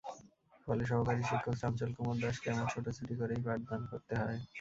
ফলে সহকারী শিক্ষক চঞ্চল কুমার দাসকে এমন ছোটাছুটি করেই পাঠদান করতে হয়।